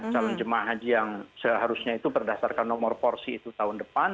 calon jemaah haji yang seharusnya itu berdasarkan nomor porsi itu tahun depan